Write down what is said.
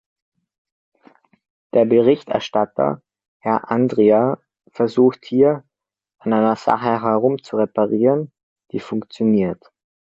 Der Berichterstatter, Herr Andria, versucht hier, an einer Sache herumzureparieren, die funktioniert.